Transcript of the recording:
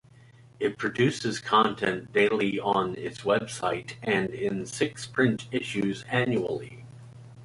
It produces content daily on its website, and in six print issues annually.